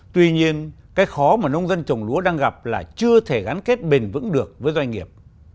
tuy nhiên cái khó mà nông dân trồng lúa đang gặp là chưa thể gắn kết bền vững được với doanh nghiệp